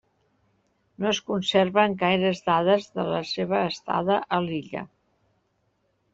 No es conserven gaires dades de la seva estada a l'illa.